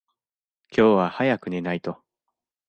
今日は早く寝ないと。